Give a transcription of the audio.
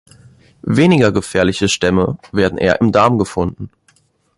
Weniger gefährliche Stämme werden eher im Darm gefunden.